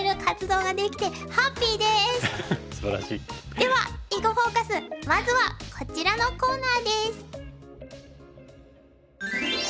では「囲碁フォーカス」まずはこちらのコーナーです。